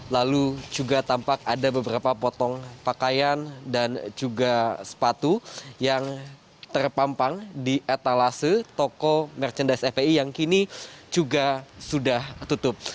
lalu juga tampak ada beberapa potong pakaian dan juga sepatu yang terpampang di etalase toko merchandise fpi yang kini juga sudah tutup